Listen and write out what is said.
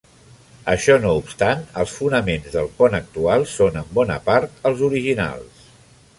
Això no obstant, els fonaments del pont actual són en bona part els originals.